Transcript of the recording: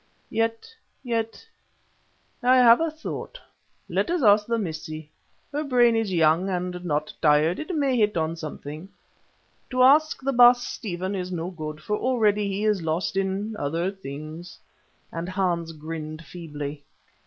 Yet, yet, I have a thought let us ask the Missie. Her brain is young and not tired, it may hit on something: to ask the Baas Stephen is no good, for already he is lost in other things," and Hans grinned feebly.